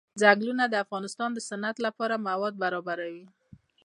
ځنګلونه د افغانستان د صنعت لپاره مواد برابروي.